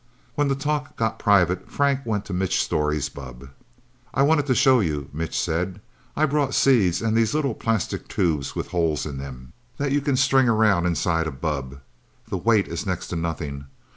When the talk got private, Frank went to Mitch Storey's bubb. "I wanted to show you," Mitch said. "I brought seeds, and these little plastic tubes with holes in them, that you can string around inside a bubb. The weight is next to nothing.